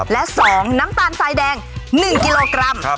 และ๒น้ำตาลทรายแดง๑กิโลกรัม